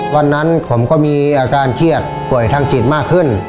วันนั้นผมก็มีอาการเครียดป่วยทางจิตมากขึ้น